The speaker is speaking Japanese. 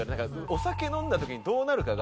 お酒飲んだ時にどうなるかが。